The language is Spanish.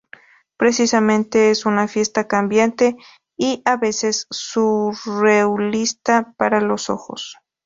Precisamente, es una fiesta cambiante y, a veces, surrealista para los ojos.